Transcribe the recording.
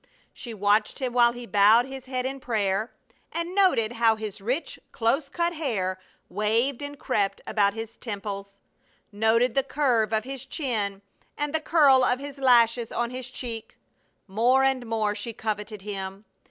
She watched him while he bowed his head in prayer, and noted how his rich, close cut hair waved and crept about his temples; noted the curve of his chin and the curl of his lashes on his cheek. More and more she coveted him.